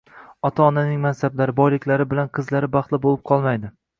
Ota-onaning mansablari, boyliklari bilan qizlari baxtli bo‘lib qolmaydi.